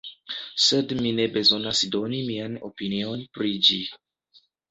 Sed mi ne bezonas doni mian opinion pri ĝi.